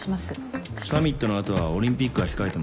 サミットの後はオリンピックが控えてますしね。